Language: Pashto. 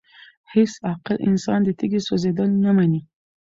هيڅ عاقل انسان د تيږي سوزيدل نه مني!!